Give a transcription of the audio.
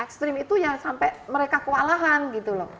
ekstrim itu ya sampai mereka kewalahan gitu loh